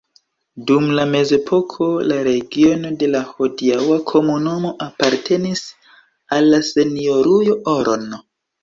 Dum mezepoko la regiono de la hodiaŭa komunumo apartenis al la Senjorujo Oron.